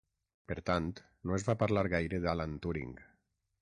Per tant, no es va parlar gaire d'Alan Turing.